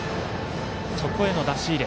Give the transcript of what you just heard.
そこへの出し入れ。